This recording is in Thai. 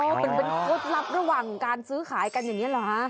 มันเป็นเคล็ดลับระหว่างการซื้อขายกันอย่างนี้เหรอฮะ